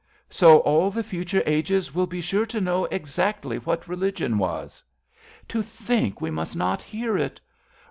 So all the future ages will be sure To know exactly what religion was. 69 RADA To think we must not hear it